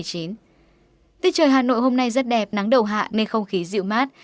tiết trời hà nội hôm nay rất đẹp nắng đầu hạ nên không khí dịu mát